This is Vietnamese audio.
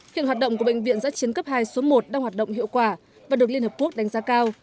hiện hoạt động của bệnh viện giã chiến cấp hai số một đang hoạt động hiệu quả và được liên hợp quốc đánh giá cao